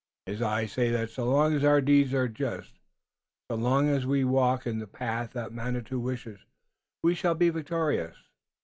His eyes say that so long as our deeds are just, so long as we walk in the path that Manitou wishes, we shall be victorious.